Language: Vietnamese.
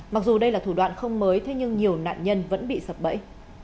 mặc dù đây là thủ đoạn không mới thế nhưng nhiều nạn nhân vẫn bị sập bẫy